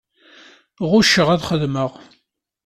Ɣucceɣ ad xedmeɣ.